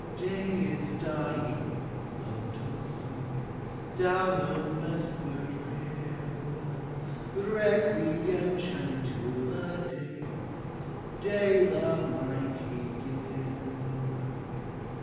Day is dying! Float, song, Down the westward river, Requiem chanting to the Day, — Day, the mighty Giver.